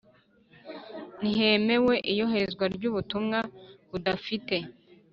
Ntihemewe iyoherezwa ry ubutumwa budafite